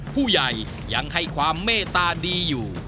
ผู้ใหญ่ยังให้ความเมตตาดีอยู่